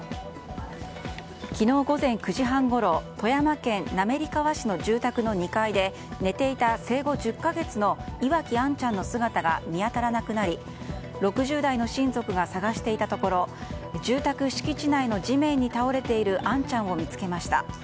昨日午前９時半ごろ富山県滑川市の住宅の２階で寝ていた生後１０か月の岩城杏ちゃんの姿が見当たらなくなり６０代の親族が捜していたところ住宅敷地内の地面に倒れている杏ちゃんを見つけました。